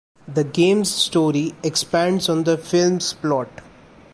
The game's story expands on the film's plot.